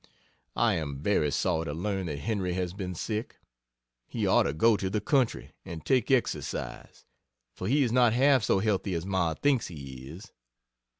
I am very sorry to learn that Henry has been sick. He ought to go to the country and take exercise; for he is not half so healthy as Ma thinks he is.